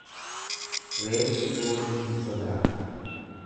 Reeffi boolla hin sodaatu.